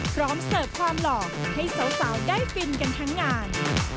เสิร์ฟความหล่อให้สาวได้ฟินกันทั้งงาน